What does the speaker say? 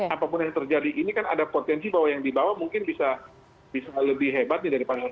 apapun yang terjadi ini kan ada potensi bahwa yang dibawa mungkin bisa lebih hebat daripada yang lain